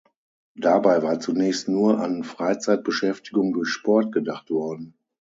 Dabei war zunächst nur an Freizeitbeschäftigung durch Sport gedacht worden.